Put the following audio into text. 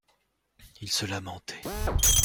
Il se lamentait.